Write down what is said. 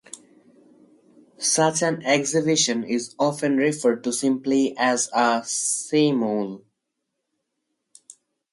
Such an exhibition is often referred to simply as a "simul".